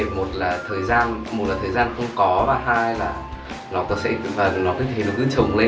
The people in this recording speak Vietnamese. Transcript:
một là thời gian không có và hai là nó cứ thế nó cứ trồng lên